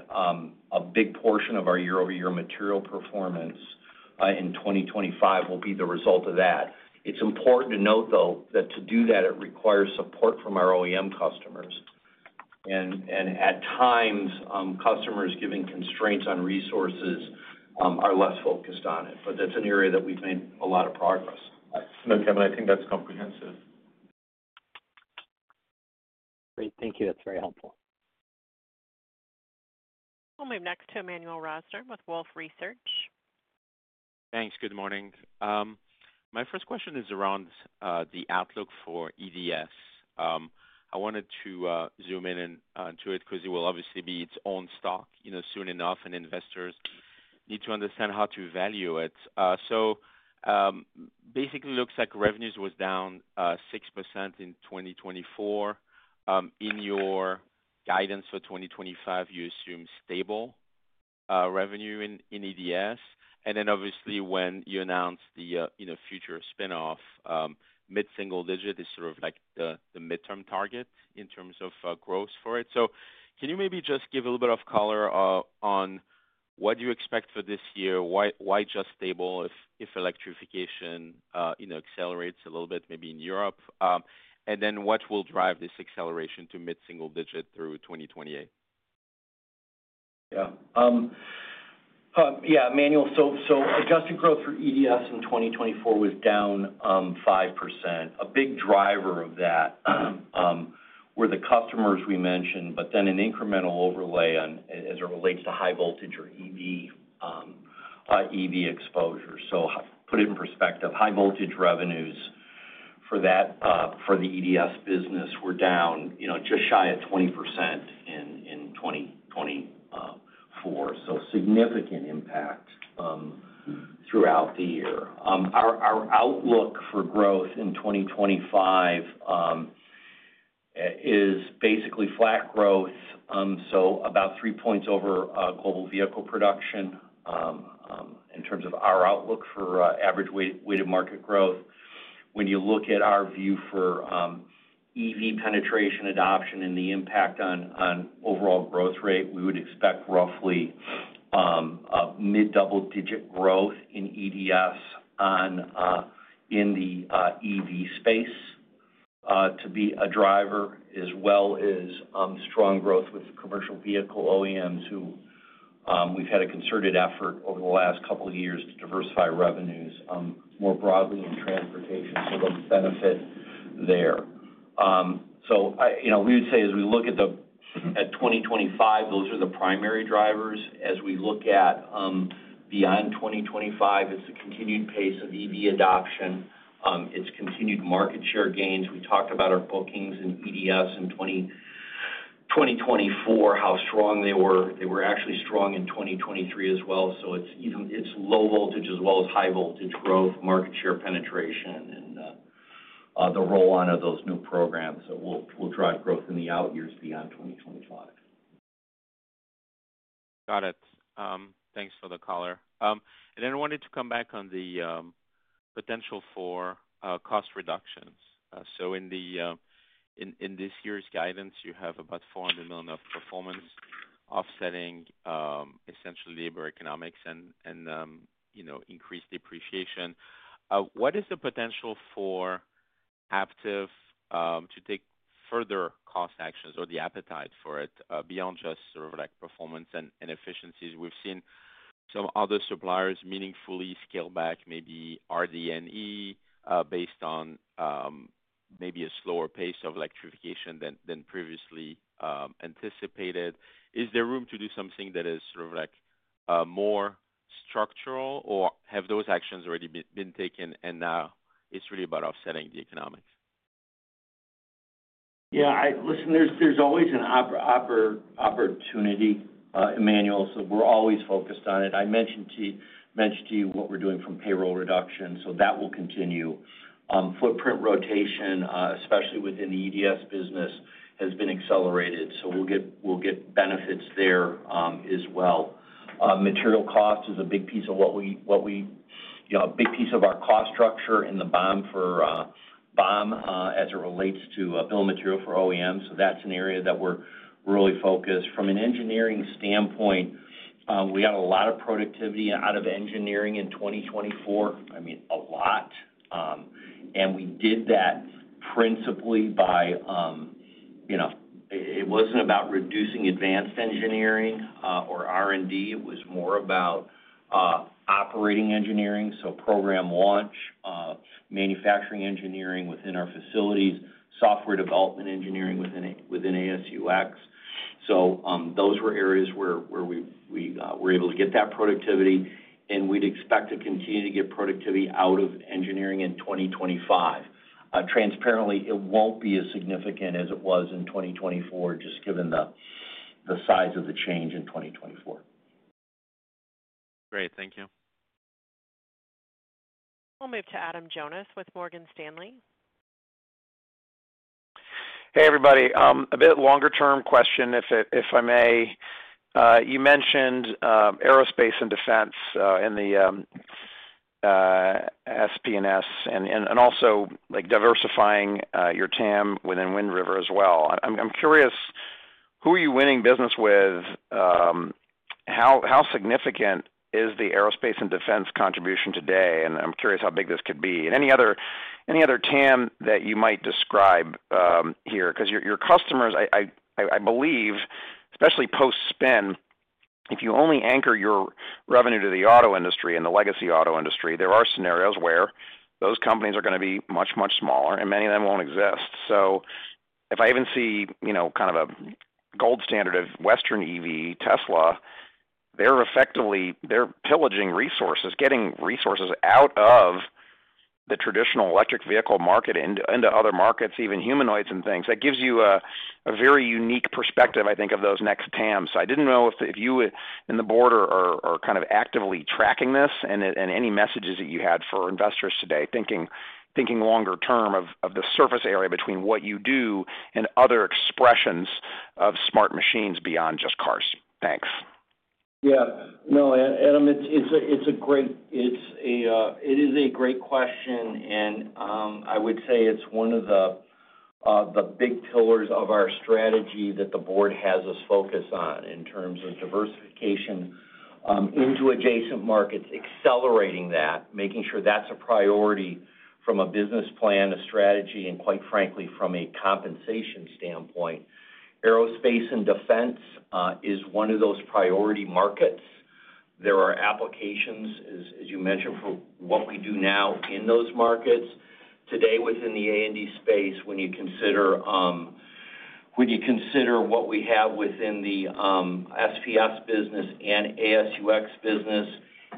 a big portion of our year-over-year material performance in 2025 will be the result of that. It's important to note, though, that to do that, it requires support from our OEM customers. And at times, customers giving constraints on resources are less focused on it. But that's an area that we've made a lot of progress. No, Kevin, I think that's comprehensive. Great. Thank you. That's very helpful. We'll move next to Emmanuel Rosner with Wolfe Research. Thanks. Good morning. My first question is around the outlook for EDS. I wanted to zoom in to it because it will obviously be its own stock soon enough, and investors need to understand how to value it. So basically, it looks like revenues was down 6% in 2024. In your guidance for 2025, you assume stable revenue in EDS. And then obviously, when you announced the future spinoff, mid-single digit is sort of the midterm target in terms of growth for it. So can you maybe just give a little bit of color on what you expect for this year, why just stable if electrification accelerates a little bit, maybe in Europe, and then what will drive this acceleration to mid-single digit through 2028? Yeah. Yeah, Emmanuel. So adjusted growth for EDS in 2024 was down 5%. A big driver of that were the customers we mentioned, but then an incremental overlay as it relates to high voltage or EV exposure. So put it in perspective, high voltage revenues for the EDS business were down just shy of 20% in 2024. So significant impact throughout the year. Our outlook for growth in 2025 is basically flat growth, so about three points over global vehicle production in terms of our outlook for average weighted market growth. When you look at our view for EV penetration adoption and the impact on overall growth rate, we would expect roughly mid-double-digit growth in EDS in the EV space to be a driver, as well as strong growth with commercial vehicle OEMs who we've had a concerted effort over the last couple of years to diversify revenues more broadly in transportation so they'll benefit there. So we would say as we look at 2025, those are the primary drivers. As we look at beyond 2025, it's the continued pace of EV adoption. It's continued market share gains. We talked about our bookings in EDS in 2024, how strong they were. They were actually strong in 2023 as well. So it's low voltage as well as high voltage growth, market share penetration, and the roll on of those new programs that will drive growth in the out years beyond 2025. Got it. Thanks for the color. And then I wanted to come back on the potential for cost reductions. So in this year's guidance, you have about $400 million of performance offsetting essentially labor economics and increased depreciation. What is the potential for Aptiv to take further cost actions or the appetite for it beyond just sort of performance and efficiencies? We've seen some other suppliers meaningfully scale back, maybe RD&E, based on maybe a slower pace of electrification than previously anticipated. Is there room to do something that is sort of more structural, or have those actions already been taken, and now it's really about offsetting the economics? Yeah. Listen, there's always an opportunity, Emmanuel. So we're always focused on it. I mentioned to you what we're doing from payroll reduction, so that will continue. Footprint rotation, especially within the EDS business, has been accelerated. So we'll get benefits there as well. Material cost is a big piece of our cost structure in the BOM as it relates to bill of material for OEMs. So that's an area that we're really focused on. From an engineering standpoint, we got a lot of productivity out of engineering in 2024. I mean, a lot. And we did that principally by. It wasn't about reducing advanced engineering or R&D. It was more about operating engineering. So program launch, manufacturing engineering within our facilities, software development engineering within AS&UX. So those were areas where we were able to get that productivity. And we'd expect to continue to get productivity out of engineering in 2025. Transparently, it won't be as significant as it was in 2024, just given the size of the change in 2024. Great. Thank you. We'll move to Adam Jonas with Morgan Stanley. Hey, everybody. A bit longer-term question, if I may. You mentioned aerospace and defense in the S&PS and also diversifying your TAM within Wind River as well. I'm curious, who are you winning business with? How significant is the aerospace and defense contribution today? And I'm curious how big this could be. And any other TAM that you might describe here? Because your customers, I believe, especially post-spin, if you only anchor your revenue to the auto industry and the legacy auto industry, there are scenarios where those companies are going to be much, much smaller, and many of them won't exist. So if I even see kind of a gold standard of Western EV, Tesla, they're pillaging resources, getting resources out of the traditional electric vehicle market into other markets, even humanoids and things. That gives you a very unique perspective, I think, of those next TAMs. So I didn't know if you and the board are kind of actively tracking this and any messages that you had for investors today, thinking longer term of the surface area between what you do and other expressions of smart machines beyond just cars. Thanks. Yeah. No, Adam, it's a great question. I would say it's one of the big pillars of our strategy that the board has us focus on in terms of diversification into adjacent markets, accelerating that, making sure that's a priority from a business plan, a strategy, and quite frankly, from a compensation standpoint. Aerospace and defense is one of those priority markets. There are applications, as you mentioned, for what we do now in those markets. Today, within the A&D space, when you consider what we have within the S&PS business and AS&UX business,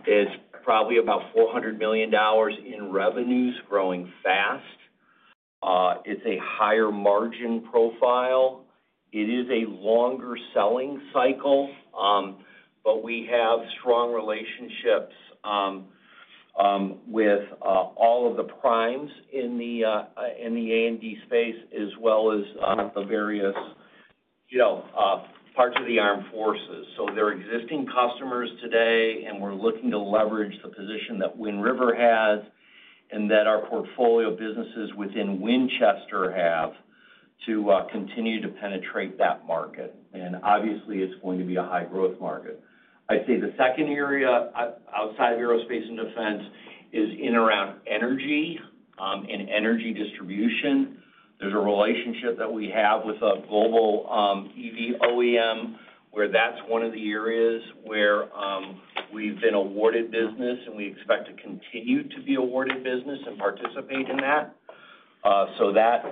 it's probably about $400 million in revenues growing fast. It's a higher margin profile. It is a longer selling cycle, but we have strong relationships with all of the primes in the A&D space, as well as the various parts of the armed forces. So there are existing customers today, and we're looking to leverage the position that Wind River has and that our portfolio businesses within Winchester have to continue to penetrate that market. And obviously, it's going to be a high-growth market. I'd say the second area outside of aerospace and defense is in and around energy and energy distribution. There's a relationship that we have with a global EV OEM where that's one of the areas where we've been awarded business, and we expect to continue to be awarded business and participate in that. So that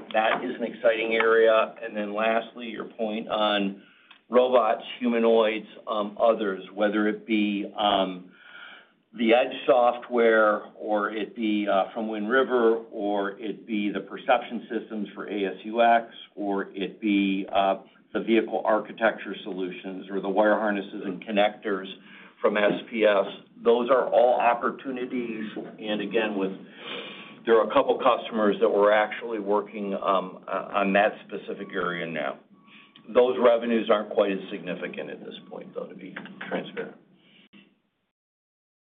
is an exciting area. And then lastly, your point on robots, humanoids, others, whether it be the edge software or it be from Wind River or it be the perception systems for ASUX or it be the vehicle architecture solutions or the wire harnesses and connectors from S&PS, those are all opportunities. And again, there are a couple of customers that we're actually working on that specific area now. Those revenues aren't quite as significant at this point, though, to be transparent.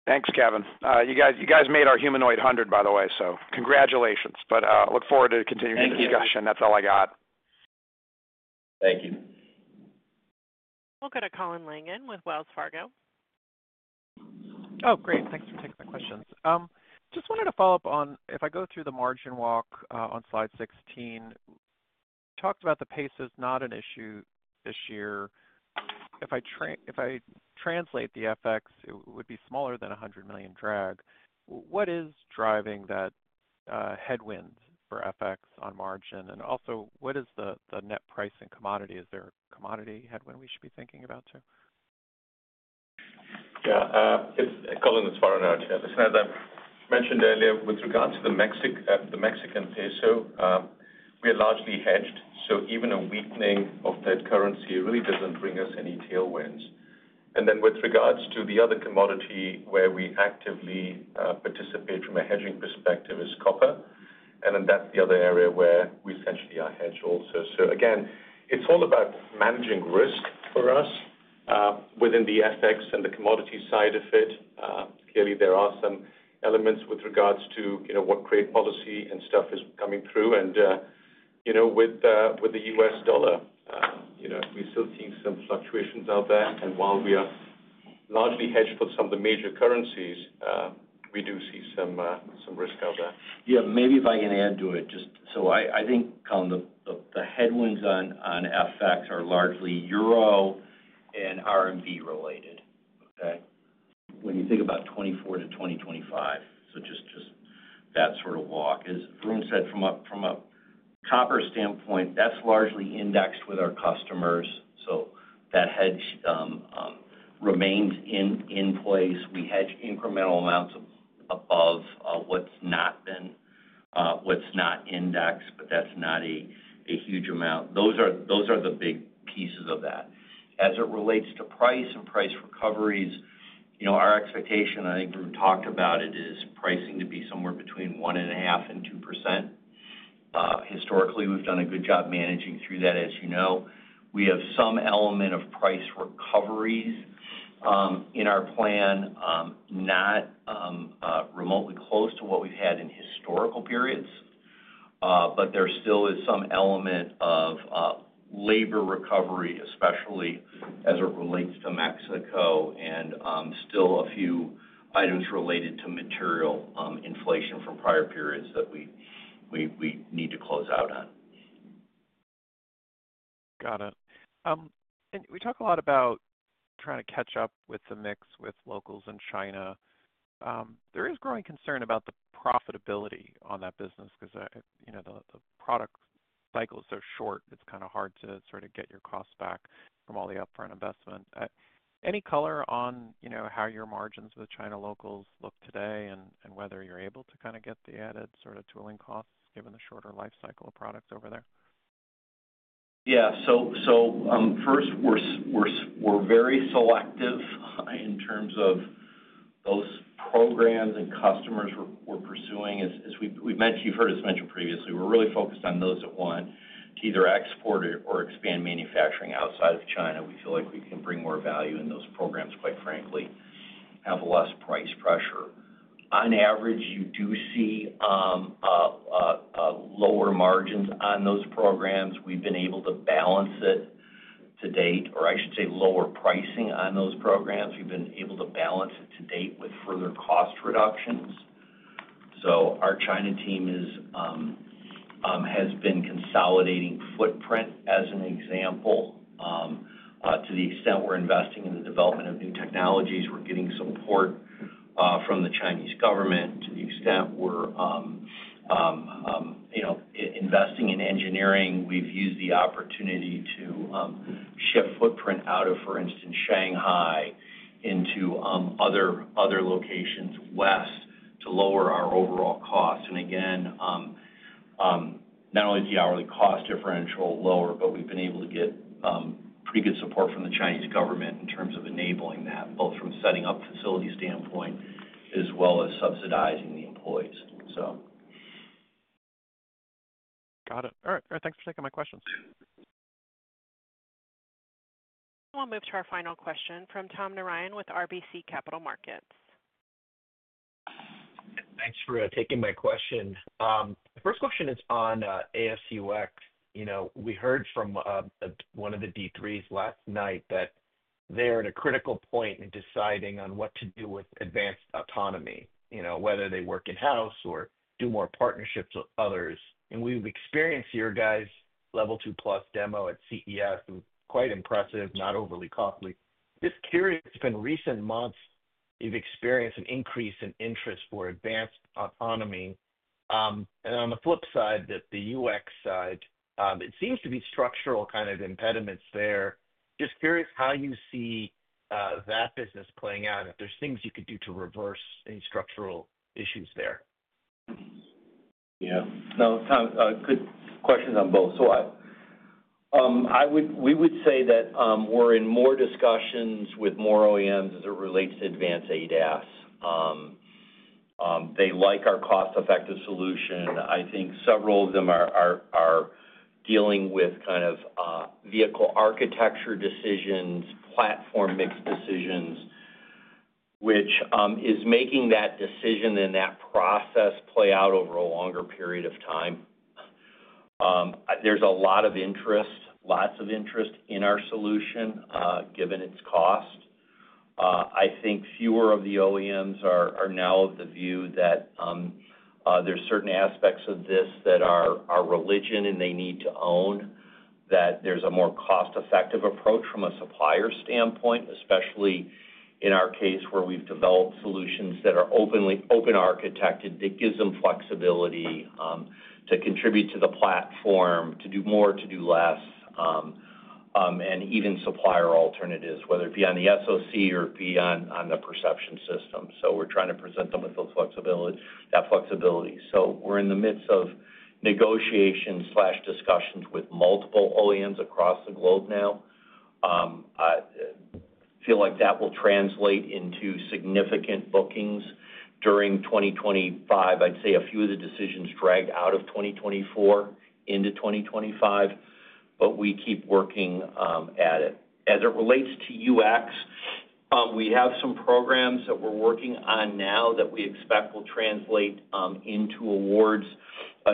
Thanks, Kevin. You guys made our Humanoid 100, by the way, so congratulations. But look forward to continuing the discussion. That's all I got. Thank you. We'll go to Colin Langan with Wells Fargo. Oh, great. Thanks for taking my questions. Just wanted to follow up on if I go through the margin walk on slide 16, you talked about the pace is not an issue this year. If I translate the FX, it would be smaller than $100 million drag. What is driving that headwind for FX on margin? And also, what is the net price and commodity? Is there a commodity headwind we should be thinking about too? Yeah. Colin it's Varun here. As I mentioned earlier, with regards to the Mexican peso, we are largely hedged. So even a weakening of that currency really doesn't bring us any tailwinds. And then with regards to the other commodity where we actively participate from a hedging perspective is copper. And then that's the other area where we essentially are hedged also. So again, it's all about managing risk for us within the FX and the commodity side of it. Clearly, there are some elements with regards to what trade policy and stuff is coming through. And with the U.S. dollar, we still see some fluctuations out there. And while we are largely hedged for some of the major currencies, we do see some risk out there. Yeah. Maybe if I can add to it, just so I think, Colin, the headwinds on FX are largely euro and R&D related, okay, when you think about 2024 to 2025. So just that sort of walk. As Varun said, from a copper standpoint, that's largely indexed with our customers. So that hedge remains in place. We hedge incremental amounts above what's not indexed, but that's not a huge amount. Those are the big pieces of that. As it relates to price and price recoveries, our expectation, I think we've talked about it, is pricing to be somewhere between 1.5%-2%. Historically, we've done a good job managing through that, as you know. We have some element of price recoveries in our plan, not remotely close to what we've had in historical periods. But there still is some element of labor recovery, especially as it relates to Mexico and still a few items related to material inflation from prior periods that we need to close out on. Got it. And we talk a lot about trying to catch up with the mix with locals in China. There is growing concern about the profitability on that business because the product cycle is so short. It's kind of hard to sort of get your costs back from all the upfront investment. Any color on how your margins with China locals look today and whether you're able to kind of get the added sort of tooling costs given the shorter life cycle of products over there? Yeah. So first, we're very selective in terms of those programs and customers we're pursuing. As you've heard us mention previously, we're really focused on those that want to either export or expand manufacturing outside of China. We feel like we can bring more value in those programs, quite frankly, have less price pressure. On average, you do see lower margins on those programs. We've been able to balance it to date, or I should say lower pricing on those programs. We've been able to balance it to date with further cost reductions. So our China team has been consolidating footprint, as an example. To the extent we're investing in the development of new technologies, we're getting support from the Chinese government. To the extent we're investing in engineering, we've used the opportunity to shift footprint out of, for instance, Shanghai into other locations west to lower our overall costs. And again, not only is the hourly cost differential lower, but we've been able to get pretty good support from the Chinese government in terms of enabling that, both from setting up facility standpoint as well as subsidizing the employees, so. Got it. All right. All right. Thanks for taking my questions. We'll move to our final question from Tom Narayan with RBC Capital Markets. Thanks for taking my question. The first question is on ASUX. We heard from one of the D3s last night that they're at a critical point in deciding on what to do with advanced autonomy, whether they work in-house or do more partnerships with others, and we've experienced your guys' Level 2+ demo at CES. It was quite impressive, not overly costly. Just curious, in recent months, you've experienced an increase in interest for advanced autonomy, and on the flip side, the UX side, it seems to be structural kind of impediments there. Just curious how you see that business playing out and if there's things you could do to reverse any structural issues there. Yeah, no, good questions on both, so we would say that we're in more discussions with more OEMs as it relates to advanced ADAS. They like our cost-effective solution. I think several of them are dealing with kind of vehicle architecture decisions, platform mix decisions, which is making that decision and that process play out over a longer period of time. There's a lot of interest, lots of interest in our solution given its cost. I think fewer of the OEMs are now of the view that there's certain aspects of this that are religion and they need to own, that there's a more cost-effective approach from a supplier standpoint, especially in our case where we've developed solutions that are open architected that gives them flexibility to contribute to the platform, to do more, to do less, and even supplier alternatives, whether it be on the SoC or be on the perception system. So we're trying to present them with that flexibility. So we're in the midst of negotiations and discussions with multiple OEMs across the globe now. I feel like that will translate into significant bookings during 2025. I'd say a few of the decisions drag out of 2024 into 2025, but we keep working at it. As it relates to UX, we have some programs that we're working on now that we expect will translate into awards.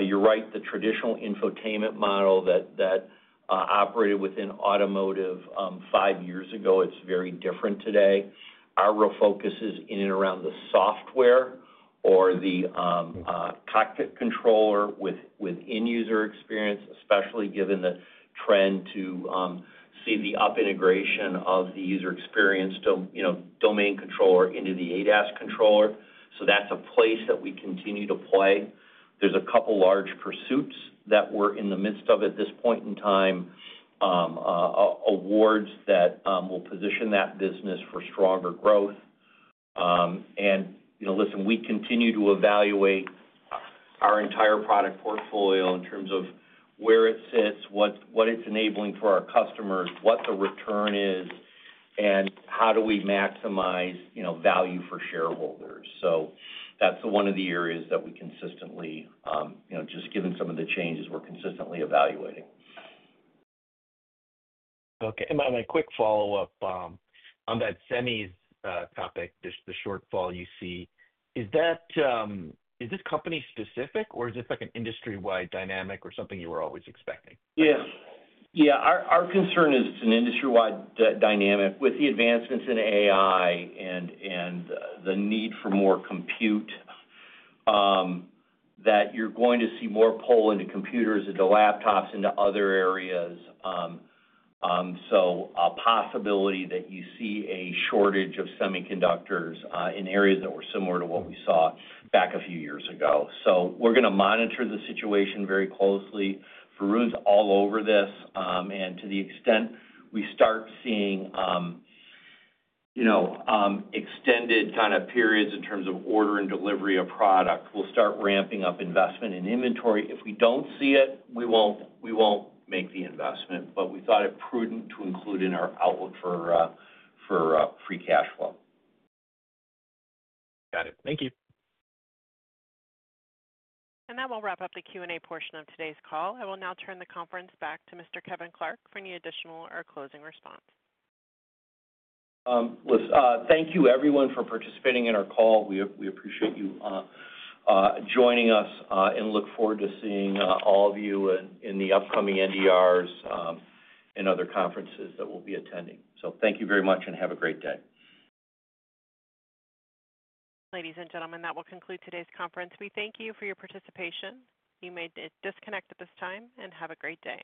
You're right, the traditional infotainment model that operated within automotive five years ago, it's very different today. Our real focus is in and around the software or the cockpit controller with end user experience, especially given the trend to see the up integration of the user experience domain controller into the ADAS controller. So that's a place that we continue to play. There's a couple of large pursuits that we're in the midst of at this point in time, awards that will position that business for stronger growth. And listen, we continue to evaluate our entire product portfolio in terms of where it sits, what it's enabling for our customers, what the return is, and how do we maximize value for shareholders. So that's one of the areas that we consistently, just given some of the changes, we're consistently evaluating. Okay. And my quick follow-up on that semi topic, the shortfall you see, is this company specific, or is this an industry-wide dynamic or something you were always expecting? Yeah. Yeah. Our concern is it's an industry-wide dynamic with the advancements in AI and the need for more compute, that you're going to see more pull into computers and to laptops and to other areas. So a possibility that you see a shortage of semiconductors in areas that were similar to what we saw back a few years ago. So we're going to monitor the situation very closely. Varun's all over this, and to the extent we start seeing extended kind of periods in terms of order and delivery of product, we'll start ramping up investment in inventory. If we don't see it, we won't make the investment, but we thought it prudent to include in our outlook for free cash flow. Got it. Thank you, and that will wrap up the Q&A portion of today's call. I will now turn the conference back to Mr. Kevin Clark for any additional or closing response. Listen, thank you, everyone, for participating in our call. We appreciate you joining us and look forward to seeing all of you in the upcoming NDRs and other conferences that we'll be attending, so thank you very much and have a great day. Ladies and gentlemen, that will conclude today's conference. We thank you for your participation. You may disconnect at this time and have a great day.